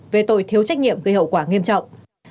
về tội thiếu trách nhiệm gây hậu quả nghiêm trọng